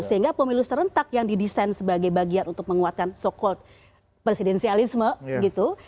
sehingga pemilu serentak yang didesain sebagai bagian untuk menguatkan so call presidensialisme gitu